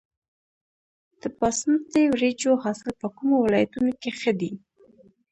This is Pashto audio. د باسمتي وریجو حاصل په کومو ولایتونو کې ښه دی؟